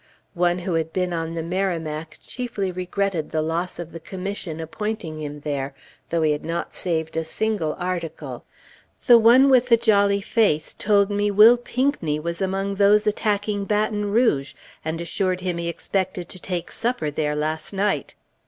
One who had been on the Merrimac chiefly regretted the loss of the commission appointing him there, though he had not saved a single article. The one with the jolly face told me Will Pinckney was among those attacking Baton Rouge, and assured him he expected to take supper there last night.